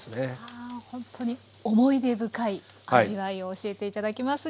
ほんとに思い出深い味わいを教えて頂きますが。